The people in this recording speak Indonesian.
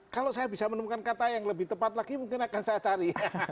kalau saya bisa menemukan kata yang lebih tepat lagi mungkin akan saya cari